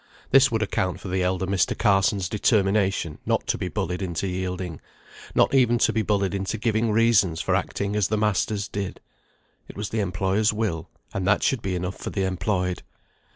This would account for the elder Mr. Carson's determination not to be bullied into yielding; not even to be bullied into giving reasons for acting as the masters did. It was the employer's will, and that should be enough for the employed.